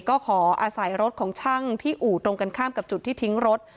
ก็ขออาศัยรถของช่างที่อู่ตรงกันข้ามกับจุดที่ทิ้งรถ